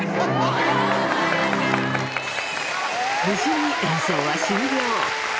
無事に演奏は終了。